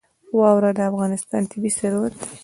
واوره د افغانستان طبعي ثروت دی.